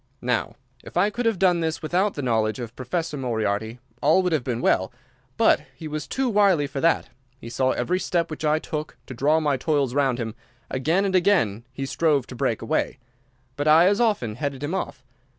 "Now, if I could have done this without the knowledge of Professor Moriarty, all would have been well. But he was too wily for that. He saw every step which I took to draw my toils round him. Again and again he strove to break away, but I as often headed him off.